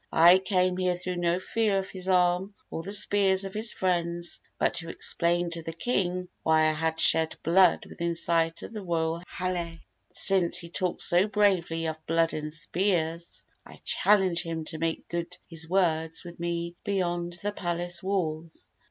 I came here through no fear of his arm or the spears of his friends, but to explain to the king why I had shed blood within sight of the royal hale. But since he talks so bravely of blood and spears, I challenge him to make good his words with me beyond the palace walls.